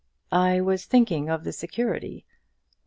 "I was thinking of the security."